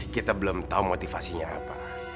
kita belum tahu motivasinya apa